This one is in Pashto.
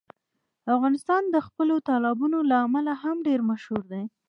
افغانستان د خپلو تالابونو له امله هم ډېر مشهور دی.